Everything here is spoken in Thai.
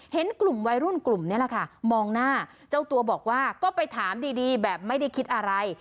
เห็นกลุ่มวัยรุ่นกลุ่มนี้แหละค่ะมองหน้าเจ้าตัวบอกว่าก็ไปถามดีแบบไม่ได้คิดอะไร